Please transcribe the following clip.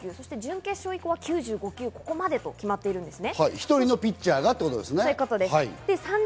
準決勝以降は９５球、ここまで決まっているんですね。